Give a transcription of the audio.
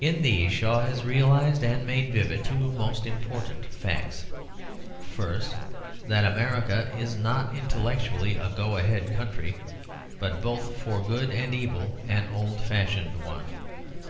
In these Shaw has realised and made vivid two most important facts. First, that America is not intellectually a go ahead country, but both for good and evil an old fashioned one.